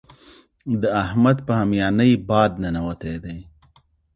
د احمد په هميانۍ باد ننوتی دی.